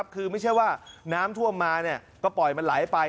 คือไม่ใช่ว่าน้ำท่วมมาก็ปล่อยมันไหลไป